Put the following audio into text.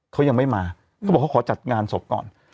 เขายังไม่มาเขาบอกเขาขอจัดงานศพก่อน